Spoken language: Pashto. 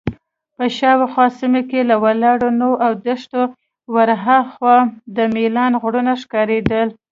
په شاوخوا سیمه کې له ولاړو ونو او دښتې ورهاخوا د میلان غرونه ښکارېدل.